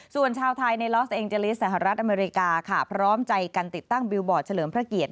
ส่วนชาวไทยในลอสเอ็งเจลิสหรัฐอเมริกาค่ะพร้อมใจกันติดตั้งบิลบอร์ดเฉลิมพระเกียรติ